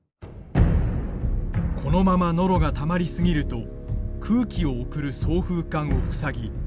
このままノロがたまり過ぎると空気を送る送風管を塞ぎ